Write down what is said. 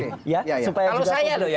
kalau saya loh ya